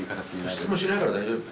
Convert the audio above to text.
質問しないから大丈夫。